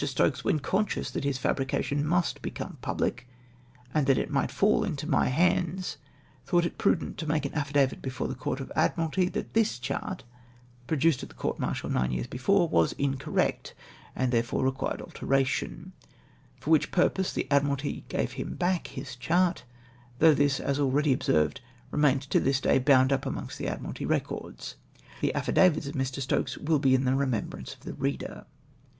Stokes, when conscious that his fabrication must become public, and that it might fall into my 36 STOKES .S CHART IX A NATIONAL POINT OF VIEW. hands, tliought it prudent to make affidavit before the Court of Admiralty that tliis chart, produced at the court martial nine years before, was incorrect, and tlievefore reijuirecl alteration I ! for which purpose the Admiralty gave him back his chart, though this, as already observed, remains to this day bound up among st the Admiraltv records. The affidavits of ]VIi\ Stokes will be in the remembrance of the reader.